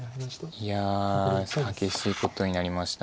いや激しいことになりました。